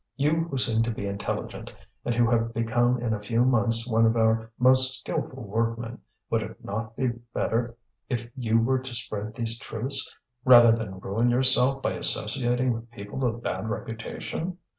You who seem to be intelligent, and who have become in a few months one of our most skilful workmen, would it not be better if you were to spread these truths, rather than ruin yourself by associating with people of bad reputation?